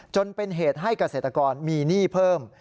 จนเป็นเหตุให้เกษตรกรมีหนี้เพิ่ม